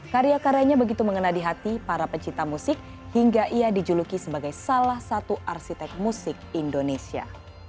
karya karyanya begitu mengena di hati para pencipta musik hingga ia dijuluki sebagai salah satu arsitek musik indonesia